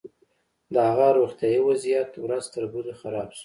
د هغه روغتيايي وضعيت ورځ تر بلې خراب شو.